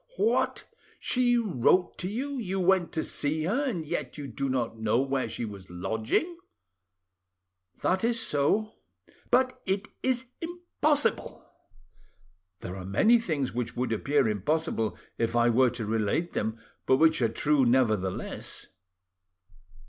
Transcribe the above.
"What! she wrote to you, you went to see her, and yet you do not know where she was lodging?" "That is so." "But it is impossible." "There are many things which would appear impossible if I were to relate them, but which are true, nevertheless."